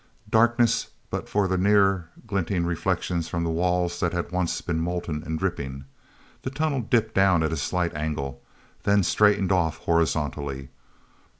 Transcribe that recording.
Darkness but for the nearer glinting reflections from walls that had once been molten and dripping. The tunnel dipped down at a slight angle, then straightened off horizontally.